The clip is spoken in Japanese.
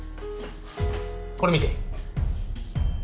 これ見て。